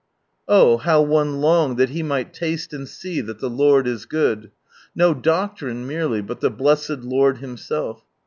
Oh, how one longed that he might taste and see that the Lord is good; no doctrine merely, but the blessed Lord Himself!